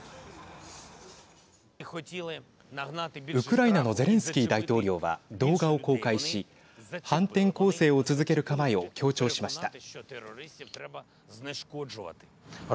ウクライナのゼレンスキー大統領は動画を公開し反転攻勢を続ける構えを強調しました。